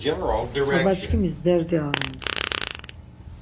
Babaçkimis derdi aven.